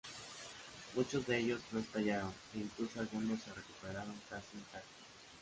Muchos de ellos no estallaron, e incluso algunos se recuperaron casi intactos.